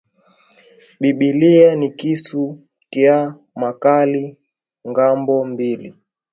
Bibilia ni kisu kya makali ngambo mbili